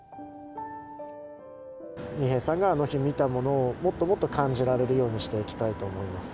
二瓶さんがあの日見たものを、もっともっと感じられるようにしていきたいと思います。